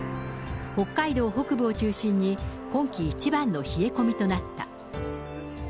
北海道北部を中心に、今季一番の冷え込みとなった。